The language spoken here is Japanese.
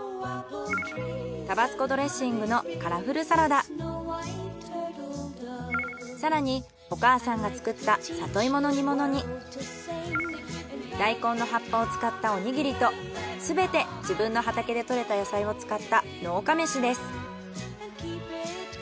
タバスコドレッシングの更にお母さんが作った里芋の煮物に大根の葉っぱを使ったおにぎりとすべて自分の畑で採れた野菜を使った農家飯です。